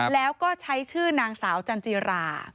แล้วก็ใช้ชื่อนางสาวจันจิรา